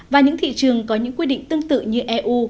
và những thị trường có những quy định tương tự như eu